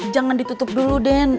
jangan ditutup dulu den